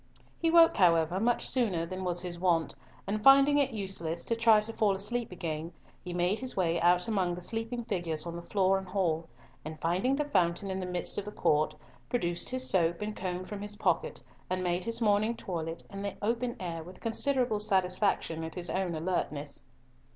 He woke, however, much sooner than was his wont, and finding it useless to try to fall asleep again, he made his way out among the sleeping figures on the floor and hall, and finding the fountain in the midst of the court, produced his soap and comb from his pocket, and made his morning toilet in the open air with considerable satisfaction at his own alertness.